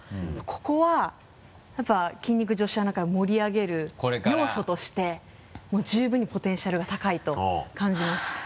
ここはやっぱ筋肉女子アナ会を盛り上げる要素としてもう十分にポテンシャルが高いと感じます。